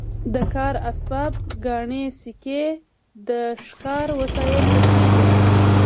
د کار اسباب ګاڼې سکې د ښکار وسایل پکې دي.